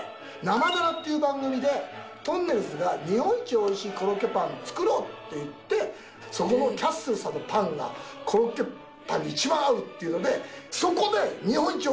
『生ダラ』っていう番組でとんねるずが日本一美味しいコロッケパン作ろうって言ってそこのキャッスルさんのパンがコロッケパンに一番合うっていうのでそこで日本一